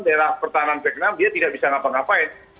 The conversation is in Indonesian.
terakhir pertahanan v enam dia tidak bisa ngapa ngapain